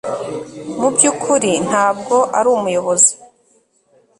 mu byukuri ntabwo ari umuyobozi